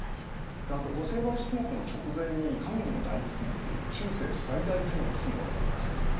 あと御成敗式目の直前に寛喜の大飢饉っていう中世最大規模の飢饉が起こるんですよ。